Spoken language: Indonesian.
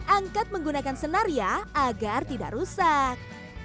angkat menggunakan senar ya agar tidak rusak